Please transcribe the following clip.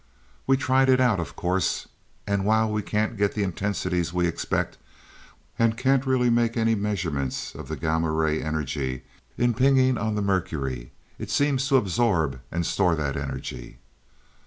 "We tried it out, of course, and while we can't get the intensities we expect, and can't really make any measurements of the gamma ray energy impinging on the mercury it seems to absorb, and store that energy!"